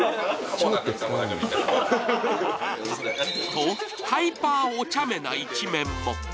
と、ハイパーお茶目な一面も。